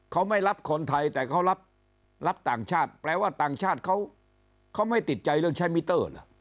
เขาไม่รับคนไทยแต่เขารับต่างชาติแปลว่าต่างชาติเขาไม่ติดใจเรื่องใช้มิเตอร์เหรอ